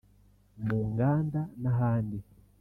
mu nganda n’ahandi